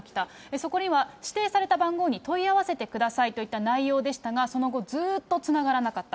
そこには、指定された番号に問い合わせてくださいといった内容でしたが、その後、ずっとつながらなかった。